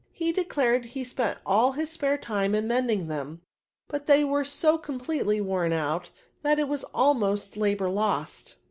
He declared that he spent all his spare time in mending them, but that they were so completely worn out that it was almost labour lost.